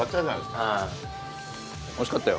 おいしかったよ